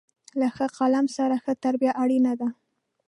له ښه قلم سره، ښه تربیه اړینه ده.